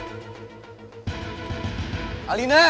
kalian cepat mundur